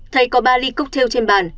thầy có ba ly cocktail trên bàn